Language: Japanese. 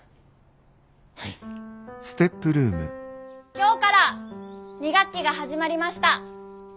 今日から２学期が始まりました。